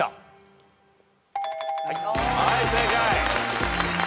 はい正解。